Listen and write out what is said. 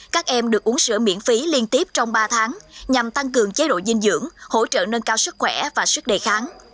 các em được uống sữa miễn phí liên tiếp trong ba tháng nhằm tăng cường chế độ dinh dưỡng hỗ trợ nâng cao sức khỏe và sức đề kháng